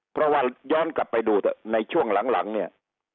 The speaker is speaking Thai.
เพราะว่าย้อนกลับไปดูเถอะในช่วงหลังเนี่ย